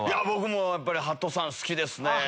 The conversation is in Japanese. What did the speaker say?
僕もやっぱり鳩さん好きですね。